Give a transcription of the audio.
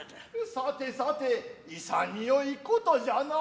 さてさて潔いことじゃナア。